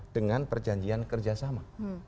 dengan perjanjian kerjasama